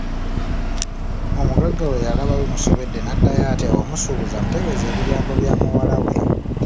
Omugagga bwe yalaba bimusobedde n’addayo ate ew’omusuubuzi amutegeeze ebigambo bya muwala we.